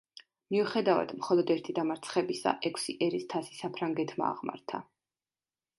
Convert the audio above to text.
მიუხედავად, მხოლოდ ერთი დამარცხებისა, ექვსი ერის თასი საფრანგეთმა აღმართა.